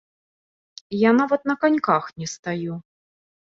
Я нават на каньках не стаю.